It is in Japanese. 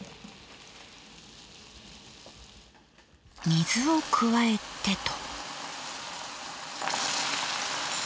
水を加えてと。